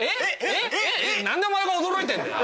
何でお前が驚いてんだよ！